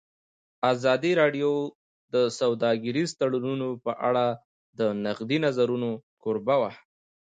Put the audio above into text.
ازادي راډیو د سوداګریز تړونونه په اړه د نقدي نظرونو کوربه وه.